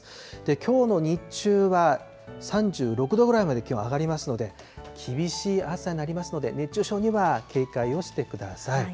きょうの日中は、３６度ぐらいまで気温上がりますので、厳しい暑さになりますので、熱中症には警戒をしてください。